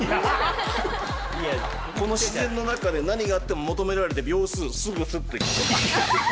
この姿勢の中で何があっても求められてる秒数すぐスッと。